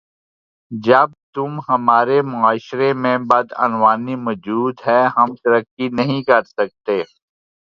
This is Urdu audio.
جب تم ہمارے معاشرے میں بدعنوانی موجود ہے ہم ترقی نہیں کرسکتے